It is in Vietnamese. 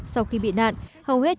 sau khi bị nạn hầu hết